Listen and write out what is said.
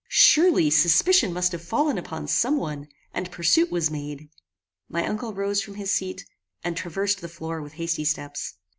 Surely, suspicion must have fallen upon some one, and pursuit was made." My uncle rose from his seat, and traversed the floor with hasty steps.